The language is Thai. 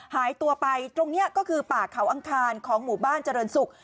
หายตัวไปตรงนี้ก็คือป่าเขาอังคารของหมู่บ้านเจริญศุกร์